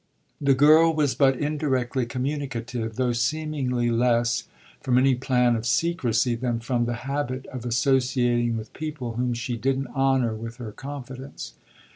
The girl was but indirectly communicative; though seemingly less from any plan of secrecy than from the habit of associating with people whom she didn't honour with her confidence.